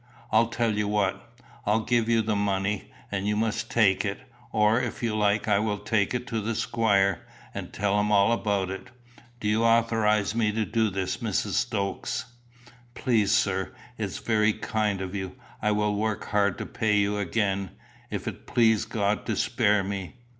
I'll tell you what: I'll give you the money, and you must take it; or, if you like, I will take it to the squire, and tell him all about it. Do you authorise me to do this, Mrs. Stokes?" "Please, sir. It's very kind of you. I will work hard to pay you again, if it please God to spare me.